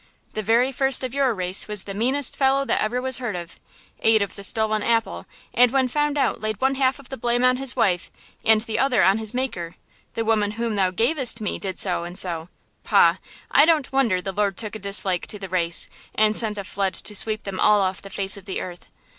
The very first of your race was the meanest fellow that ever was heard of–ate the stolen apple and when found out laid one half of the blame on his wife and the other on his Maker–'The woman whom thou gavest me' did so and so–pah! I don't wonder the Lord took a dislike to the race and sent a flood to sweep them all off the face of the earth!